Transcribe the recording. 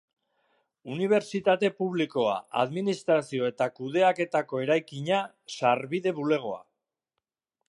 Unibertsitate Publikoa, Administrazio eta Kudeaketako eraikina, Sarbide Bulegoa.